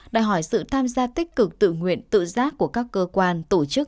đòi hỏi sự tham gia tích cực tự nguyện tự giác của các cơ quan tổ chức